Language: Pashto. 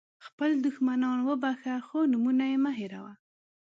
خپل دښمنان وبخښه خو نومونه یې مه هېروه.